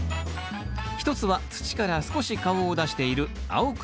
一つは土から少し顔を出している青首。